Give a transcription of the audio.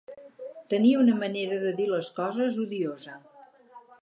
Tenia una manera de dir les coses odiosa.